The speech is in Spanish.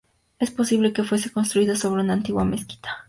Es posible que fuese construida sobre una antigua mezquita.